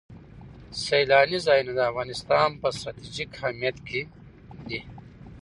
سیلاني ځایونه د افغانستان په ستراتیژیک اهمیت کې دي.